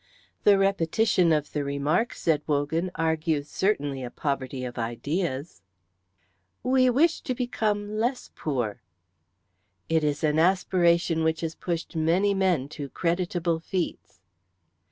"The repetition of the remark," said Wogan, "argues certainly a poverty of ideas." "We wish to become less poor." "It is an aspiration which has pushed many men to creditable feats."